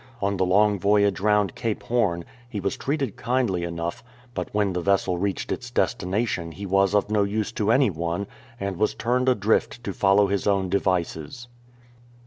On the long voyage round Cape Horn he was treated kindly enouiih, but when the vessel reached its destination he was of no use to any one, and was turned adrift to follow his own devices.